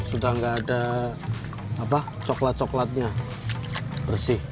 sudah tidak ada coklat coklatnya bersih